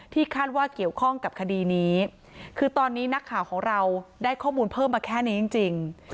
คาดว่าเกี่ยวข้องกับคดีนี้คือตอนนี้นักข่าวของเราได้ข้อมูลเพิ่มมาแค่นี้จริง